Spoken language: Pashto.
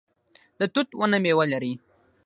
د توت ونه میوه لري